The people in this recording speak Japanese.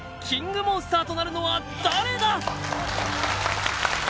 モンスターとなるのは誰だ？